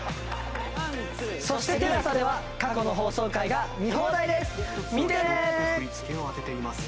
そしてＴＥＬＡＳＡでは過去の放送回が見放題です！